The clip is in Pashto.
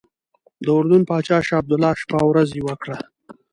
د اردن پاچا شاه عبدالله شپه او ورځ یوه کړه.